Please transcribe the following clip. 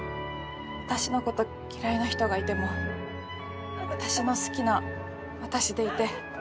私のこと嫌いな人がいても私の好きな私でいて。